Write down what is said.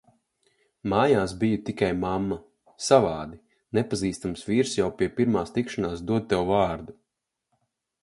Mājās biju tikai "mamma". Savādi, nepazīstams vīrs jau pie pirmās tikšanās dod tev vārdu.